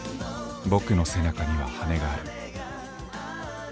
「ボクの背中には羽根がある」。